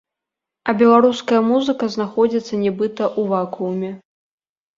А беларуская музыка знаходзіцца нібыта ў вакууме.